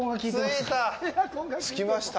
着きました。